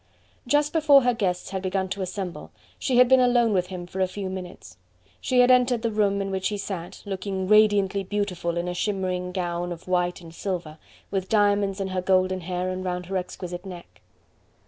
Just before her guests had begun to assemble, she had been alone with him for a few minutes. She had entered the room in which he sat, looking radiantly beautiful in a shimmering gown of white and silver, with diamonds in her golden hair and round her exquisite neck.